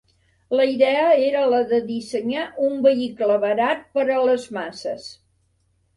La idea era la de dissenyar un vehicle barat per a les masses.